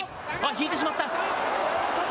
引いてしまった。